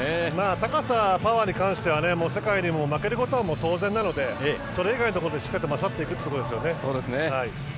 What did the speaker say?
高さ、パワーに関しては世界に負けることは当然なので、それ以外のところでしっかりいくということですね。